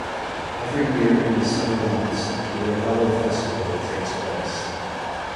Every year in the summer months, the "Ravello Festival" takes place.